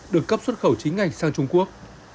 được cấp xuất khẩu chính ngành sang trung quốc